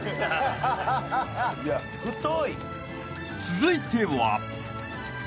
［続いては］